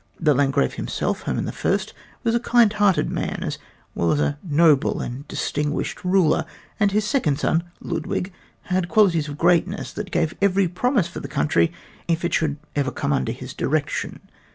The Landgrave himself, Herman the First, was a kind hearted man as well as a noble and distinguished ruler, and his second son, Ludwig, had qualities of greatness that gave every promise for the country if it should ever come under his direction.